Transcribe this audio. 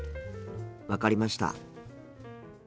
分かりました。